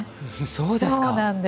そうですか。